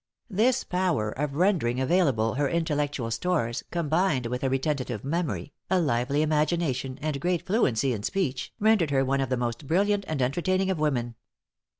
This power of rendering available her intellectual stores, combined with a retentive memory, a lively imagination, and great fluency in speech, rendered her one of the most brilliant and entertaining of women.